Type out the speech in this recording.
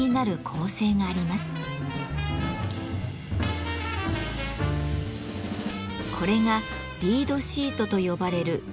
これが「リードシート」と呼ばれるジャズの譜面。